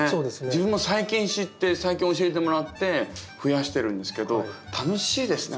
自分も最近知って最近教えてもらって増やしてるんですけど楽しいですね